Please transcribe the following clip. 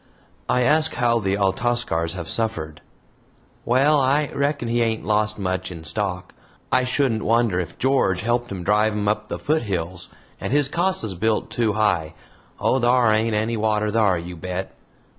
I ask how the Altascars have suffered. "Well, I reckon he ain't lost much in stock. I shouldn't wonder if George helped him drive 'em up the foothills. And his casa's built too high. Oh, thar ain't any water thar, you bet.